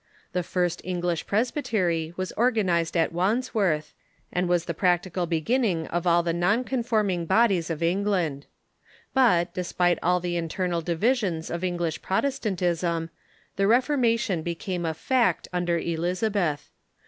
The first English presbytery was organized at AVandsworth, and was the practical beginning of all the non conforming bodies of England. But, despite all the internal divisions of English Protestantism, the Reforma tion became a fact under Elizabeth.